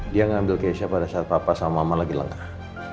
dia ngambil keisha pada saat papa sama mama lagi lengah